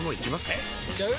えいっちゃう？